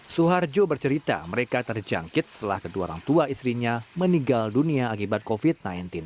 suharjo bercerita mereka terjangkit setelah kedua orang tua istrinya meninggal dunia akibat covid sembilan belas